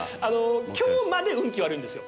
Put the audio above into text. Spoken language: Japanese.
今日まで運気悪いんですよ。